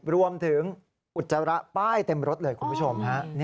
รวมถึงอุจจาระป้ายเต็มรสเลยคุณผู้ชม